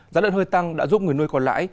giá lợn hơi tăng đã giúp người nuôi còn lại